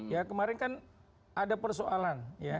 ya kemarin kan ada persoalan